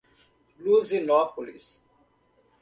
Luzinópolis